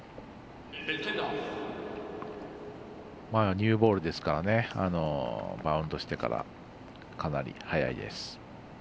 ニューボールですからバウンドしてからかなり速いです。